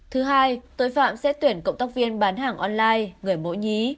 thứ hai tội phạm sẽ tuyển cộng tác viên bán hàng online người mẫu nhí